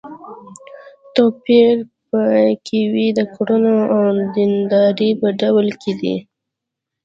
توپير په کې وي د کړنو او د دیندارۍ په ډول کې دی.